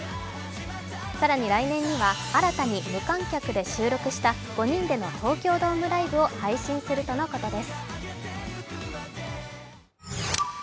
更に来年には、新たに無観客で収録した５人での東京ドームライブを配信するということです。